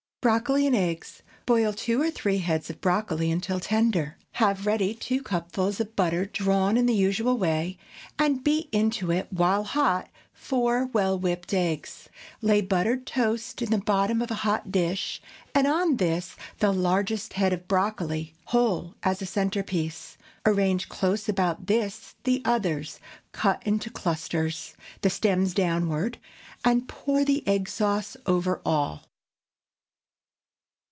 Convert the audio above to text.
BROCCOLI AND EGGS. Boil two or three heads of broccoli until tender. Have ready two cupfuls of butter drawn in the usual way, and beat into it, while hot, four well whipped eggs. Lay buttered toast in the bottom of a hot dish, and on this the largest head of broccoli whole, as a centre piece. Arrange close about this the others cut into clusters, the stems downward, and pour the egg sauce over all.